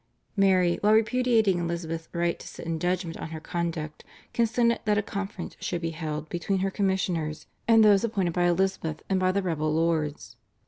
Mary, while repudiating Elizabeth's right to sit in judgment on her conduct, consented that a conference should be held between her commissioners and those appointed by Elizabeth and by the rebel lords.